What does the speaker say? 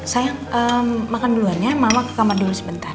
sayang makan duluan ya mama ke kamar dulu sebentar